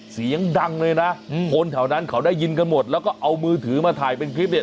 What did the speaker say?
เสียงดังเลยนะคนแถวนั้นเขาได้ยินกันหมดแล้วก็เอามือถือมาถ่ายเป็นคลิปเนี่ย